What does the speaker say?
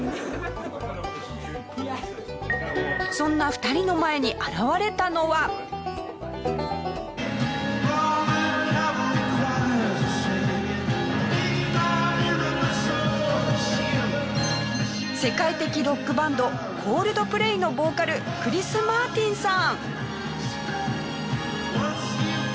そんな『ＶｉｖａＬａＶｉｄａ』世界的ロックバンドＣｏｌｄｐｌａｙのボーカルクリス・マーティンさん。